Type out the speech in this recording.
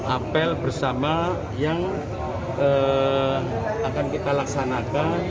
apel bersama yang akan kita laksanakan